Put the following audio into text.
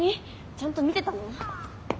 ちゃんと見てたの？